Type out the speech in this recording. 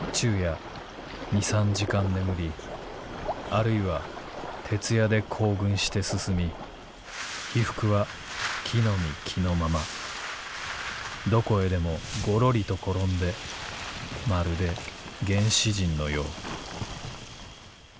「あるいは徹夜で行軍して進み衣服は着の身着のままどこへでもごろりと転んでまるで原始人のよう」。